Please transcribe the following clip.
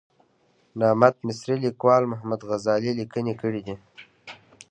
نامت مصري لیکوال محمد غزالي لیکنې کړې دي.